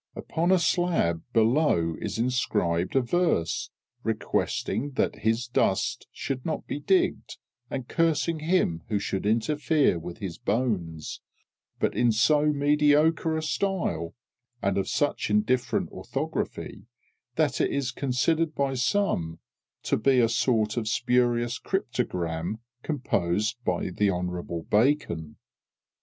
Upon a slab below is inscribed a verse requesting that his dust should not be digged, and cursing him who should interfere with his bones, but in so mediocre a style, and of such indifferent orthography, that it is considered by some to be a sort of spurious cryptogram composed by Hon'ble BACON.